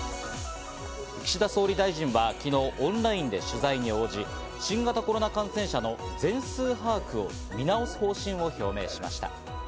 岸田総理大臣は昨日、オンラインで取材に応じ、新型コロナ感染者の全数把握を見直す方針を表明しました。